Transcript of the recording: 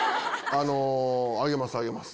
あのあげますあげます